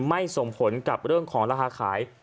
ส่งผลกับเรื่องของราคาขาย